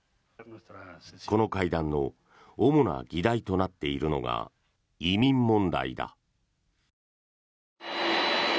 この会談の主な議題となっているのが移民問題だ。